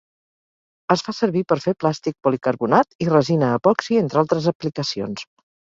Es fa servir per fer plàstic policarbonat i resina epoxi entre altres aplicacions.